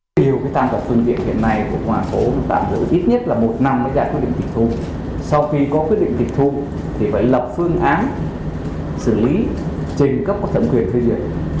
vì có quyết định tịch thu thì phải lập phương án xử lý trình cấp có thẩm quyền phê duyệt